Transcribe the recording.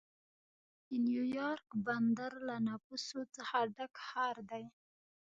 د نیویارک بندر له نفوسو څخه ډک ښار دی.